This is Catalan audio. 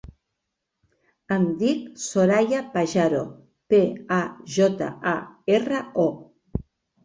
Em dic Soraya Pajaro: pe, a, jota, a, erra, o.